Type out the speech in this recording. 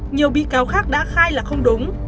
nhiều bị cáo khác đã khai là không đúng